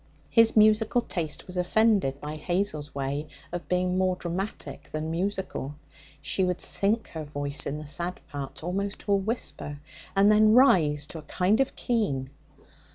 His musical taste was offended by Hazel's way of being more dramatic than musical. She would sink her voice in the sad parts almost to a whisper, and then rise to a kind of keen.